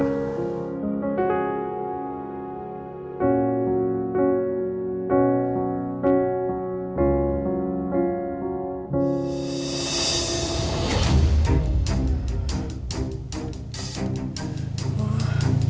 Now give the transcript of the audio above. tapi tak sampai